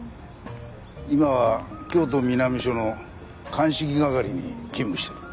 今は京都南署の鑑識係に勤務している。